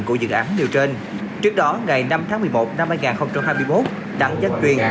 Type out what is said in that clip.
của dự án nêu trên trước đó ngày năm tháng một mươi một năm hai nghìn hai mươi một đặng gia truyền